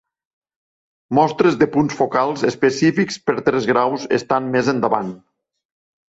Mostres de punts focals específics per tres graus estan més endavant.